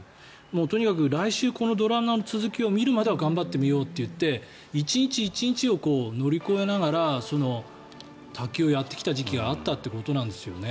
とにかく来週このドラマの続きを見るまでは頑張ってみようっていって１日１日を乗り越えながら卓球をやってきた時期があったってことなんですよね。